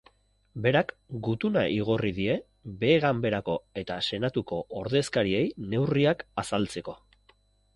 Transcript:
Berak gutuna igorri die Behe-Ganberako eta Senatuko ordezkariei neurriak azaltzeko.